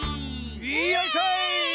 よいしょい！